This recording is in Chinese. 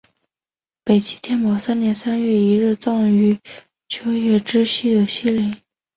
北齐天保三年三月一日葬于邺城之西的西陵。